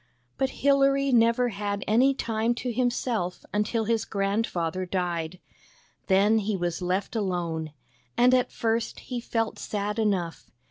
But Hilary never had any time to himself until his grandfather died. Then he was left alone, and at first he felt sad enough.